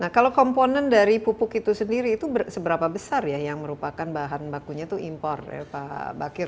nah kalau komponen dari pupuk itu sendiri itu seberapa besar ya yang merupakan bahan bakunya itu impor ya pak bakir